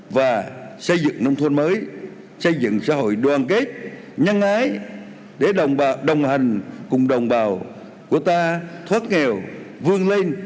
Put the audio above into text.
và xây dựng nông thôn mới xây dựng xã hội đoàn kết nhân ái để đồng hành cùng đồng bào của ta thoát nghèo vươn lên